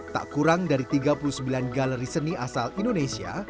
tak kurang dari tiga puluh sembilan galeri seni asal indonesia